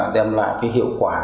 đem lại cái hiệu quả